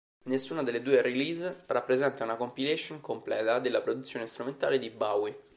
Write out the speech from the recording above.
Nessuna delle due release rappresenta una compilation completa della produzione strumentale di Bowie.